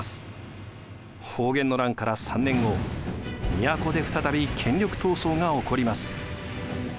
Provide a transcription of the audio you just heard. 保元の乱から３年後都で再び権力闘争が起こります。